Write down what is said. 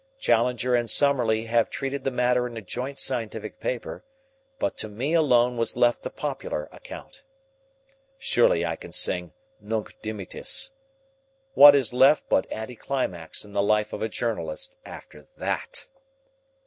Challenger and Summerlee have treated the matter in a joint scientific paper, but to me alone was left the popular account. Surely I can sing "Nunc dimittis." What is left but anti climax in the life of a journalist after that!